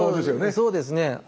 そうですね。